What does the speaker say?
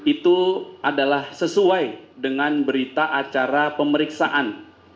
itu adalah sesuai dengan berita acara pemeriksaan